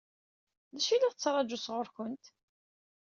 D acu i la tettṛaǧu sɣur-kent?